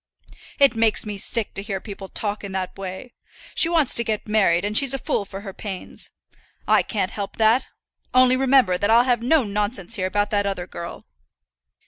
"It makes me sick to hear people talk in that way. She wants to get married, and she's a fool for her pains; I can't help that; only remember that I'll have no nonsense here about that other girl.